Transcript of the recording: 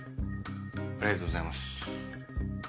ありがとうございます。